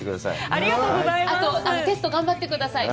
あと、テスト頑張ってください。